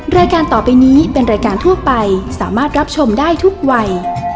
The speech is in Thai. รายการต่อไปนี้เป็นรายการทั่วไปสามารถรับชมได้ทุกวัย